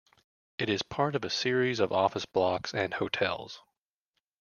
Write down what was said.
It is part of a series of office blocks and hotels.